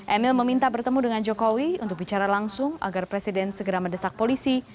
emil meminta bertemu dengan jokowi untuk bicara langsung agar presiden segera mendesak polisi